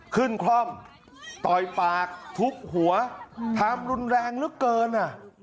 ขึ้นคล่อมตอยปากทุกข์หัวทำรุนแรงนึกเกิน